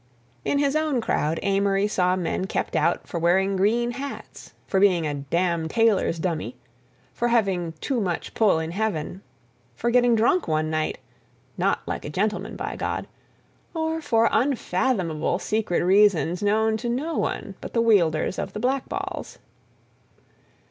In his own crowd Amory saw men kept out for wearing green hats, for being "a damn tailor's dummy," for having "too much pull in heaven," for getting drunk one night "not like a gentleman, by God," or for unfathomable secret reasons known to no one but the wielders of the black balls.